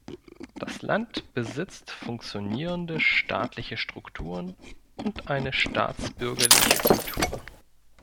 Das Land besitzt funktionierende staatliche Strukturen und eine staatsbürgerliche Kultur.